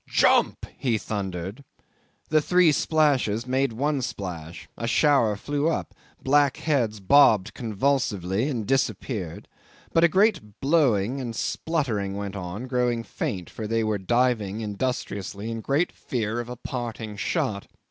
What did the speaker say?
"Jump!" he thundered. The three splashes made one splash, a shower flew up, black heads bobbed convulsively, and disappeared; but a great blowing and spluttering went on, growing faint, for they were diving industriously in great fear of a parting shot.